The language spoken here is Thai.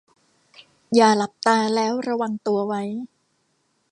อย่าหลับตาแล้วระวังตัวไว้